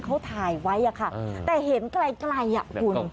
เขาถ่ายไว้อะค่ะแต่เห็นไกลอ่ะคุณ